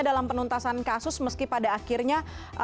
dalam penuntasan kasus meski pada akhirnya